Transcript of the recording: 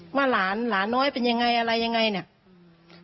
ว่าหลานหลานน้อยเป็นยังไงอะไรยังไงเนี่ย